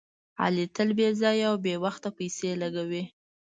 علي تل بې ځایه او بې وخته پیسې لګوي.